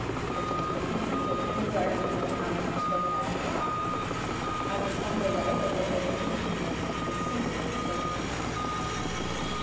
The gentleman consented, and desired to know how much they had brought. After some delay they were able to produce a single clipped halfcrown.